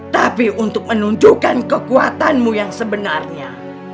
tapi untuk menunjukkan kekuatanmu yang sebenarnya